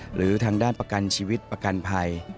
หรือทางด้านประกันชีวิตประกันภัย